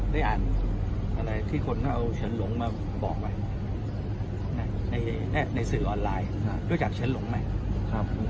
ได้อ่านอะไรที่คนก็เอาฉันหลงมาบอกไหมในสื่อออนไลน์รู้จักฉันหลงไหมครับ